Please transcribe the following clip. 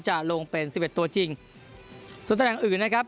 จะลงเป็นสิบเอ็ดตัวจริงส่วนแสดงอื่นนะครับ